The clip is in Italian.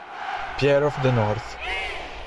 Pierre of the North